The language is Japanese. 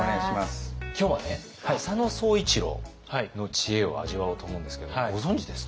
今日はね浅野総一郎の知恵を味わおうと思うんですけどもご存じですか？